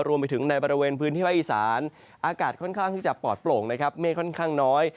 รวมไปถึงในบริเวณพื้นที่ภาคอีสานอากาศค่อนข้างที่จะปลอดโปร่งนะครับเมฆค่อนข้างน้อย